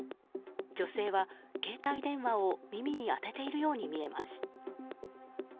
女性は携帯電話を耳に当てているように見えます。